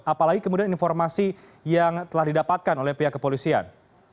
apalagi kemudian informasi yang telah didapatkan oleh pihak kepolisian